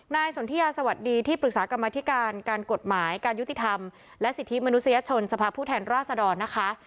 สนทิยาสวัสดีที่ปรึกษากรรมธิการการกฎหมายการยุติธรรมและสิทธิมนุษยชนสภาพผู้แทนราษดรนะคะ